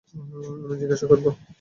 আমি জিজ্ঞাসা করবো।